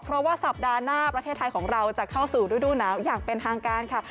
เพราะว่าสัปดาห์หน้าประเทศไทยของเราจะเข้าสู่ฤดูหนาวอย่างเป็นทางการค่ะ